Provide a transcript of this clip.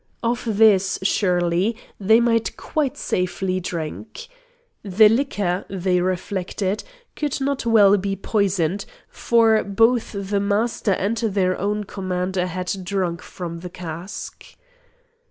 Of this, surely, they might quite safely drink. The liquor, they reflected, could not well be poisoned, for both the Master and their own commander had drunk from the cask.